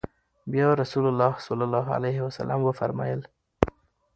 بيا رسول الله صلی الله عليه وسلم وفرمايل: